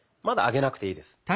まだ上げなくていいです。